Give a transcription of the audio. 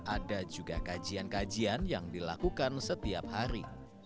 ada juga kajian kajian yang dilakukan setiap hari